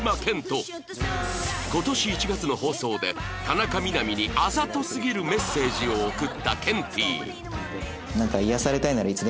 今年１月の放送で田中みな実にあざとすぎるメッセージを送ったケンティーキャーッ！